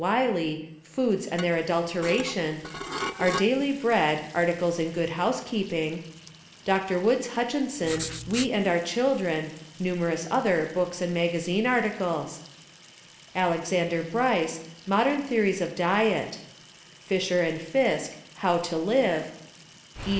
Wiley: "Foods and Their Adulteration," "Our Daily Bread," articles in Good Housekeeping; Dr. Woods Hutchinson: "We and our Children," numerous other books and magazine articles; Alexander Bryce, "Modern Theories of Diet;" Fisher and Fiske, "How to Live;" E.